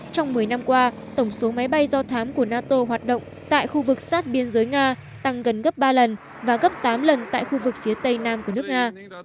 trong một mươi năm qua tổng số máy bay do thám của nato hoạt động tại khu vực sát biên giới nga tăng gần gấp ba lần và gấp tám lần tại khu vực phía tây nam của nước nga